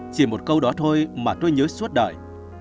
chỉ một câu đó thôi mà tôi nhớ suốt đời